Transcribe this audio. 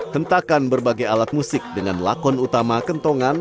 hentakan berbagai alat musik dengan lakon utama kentongan